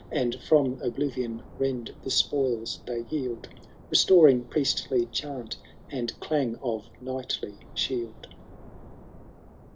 And from oblivion rend the spoils they peld, Restoring priestly chant and clang of knightly shield.